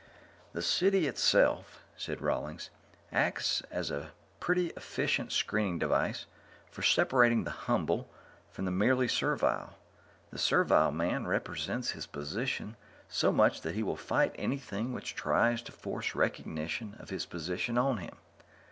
"The City itself," said Rawlings, "acts as a pretty efficient screening device for separating the humble from the merely servile. The servile man resents his position so much that he will fight anything which tries to force recognition of his position on him.